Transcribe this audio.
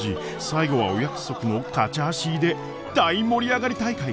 最後はお約束のカチャーシーで大盛り上がり大会。